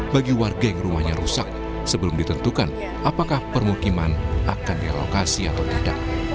bagi warga yang rumahnya rusak sebelum ditentukan apakah permukiman akan direlokasi atau tidak